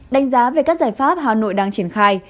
đánh giá về các giải pháp hà nội đang triển khai